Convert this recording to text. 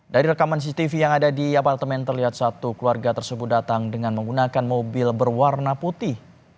dari rekaman cctv yang ada di apartemen terlihat satu keluarga tersebut datang dengan menggunakan mobil berwarna putih